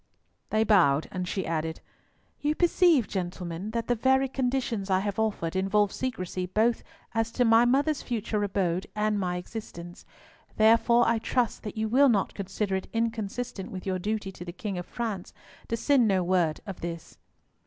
They bowed, and she added, "You perceive, gentlemen, that the very conditions I have offered involve secrecy both as to my mother's future abode and my existence. Therefore, I trust that you will not consider it inconsistent with your duty to the King of France to send no word of this."